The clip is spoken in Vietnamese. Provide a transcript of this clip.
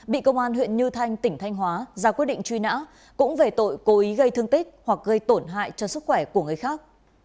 bị công an huyện như thanh tỉnh thanh hóa ra quyết định truy nã cũng về tội cố ý gây thương tích hoặc gây tổn hại cho sức khỏe của người khác